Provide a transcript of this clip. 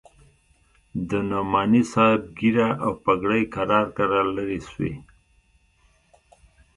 د نعماني صاحب ږيره او پګړۍ کرار کرار لرې سوې.